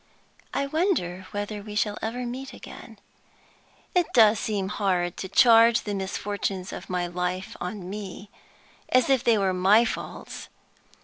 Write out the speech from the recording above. I wonder whether we shall ever meet again? It does seem hard to charge the misfortunes of my life on me, as if they were my faults.